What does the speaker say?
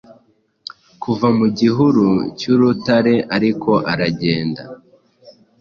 Kuva mu gihuru cyurutareariko aragenda